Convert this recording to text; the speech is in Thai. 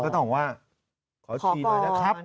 ต้องบอกว่าขอฉี่หน่อยนะครับ